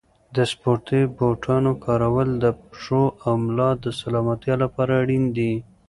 د سپورتي بوټانو کارول د پښو او ملا د سلامتیا لپاره اړین دي.